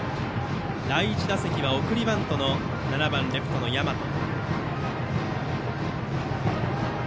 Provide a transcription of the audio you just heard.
第１打席は送りバントの７番レフト、山戸。